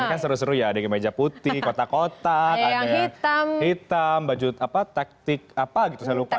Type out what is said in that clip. ini kan seru seru ya ada yang meja putih kotak kotak ada yang hitam baju apa taktik apa gitu saya lupa